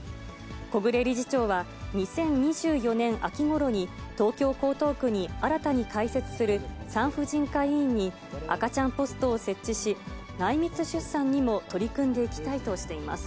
小暮理事長は２０２４年秋ごろに、東京・江東区に新たに開設する産婦人科医院に、赤ちゃんポストを設置し、内密出産にも取り組んでいきたいとしています。